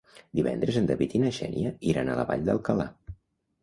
Divendres en David i na Xènia iran a la Vall d'Alcalà.